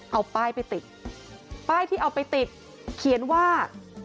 เอาป้ายไปติดป้ายที่เอาไปติดเขียนว่า